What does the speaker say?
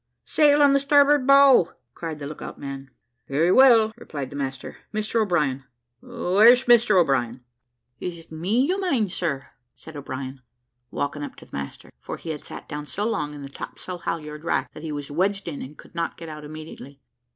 "Sail on the starboard bow!" cried the look out man. "Very well," replied the master; "Mr O'Brien, where's Mr O'Brien?" "Is it me you mane, sir?" said O'Brien, walking up to the master, for he had sat down so long in the topsail halyard rack, that he was wedged in, and could not get out immediately.